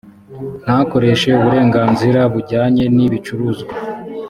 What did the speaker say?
ntakoreshe uburenganzira bujyanye n ibicuruzwa